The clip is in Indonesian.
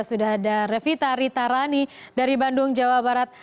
sudah ada revita ritarani dari bandung jawa barat